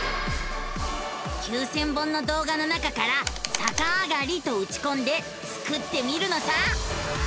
９，０００本の動画の中から「さかあがり」とうちこんでスクってみるのさ！